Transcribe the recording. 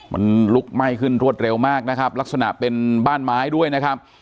มันลุกไหม้ขึ้นรวดเร็วมากนะครับลักษณะเป็นบ้านไม้ด้วยนะครับ